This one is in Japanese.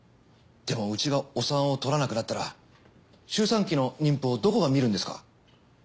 でもうちがお産をとらなくなったら周産期の妊婦をどこが診るんですか。